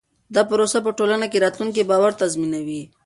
دا پروسه په ټولنه کې راتلونکی باور تضمینوي.